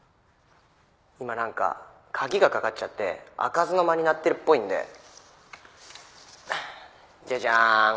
今何か鍵がかかっちゃって開かずの間になってるっぽいんでジャジャン。